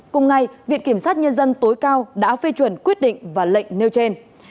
cùng ngày viện kiểm sát nhân dân tối cao đã phê chuẩn quyết định và lệnh nêu trên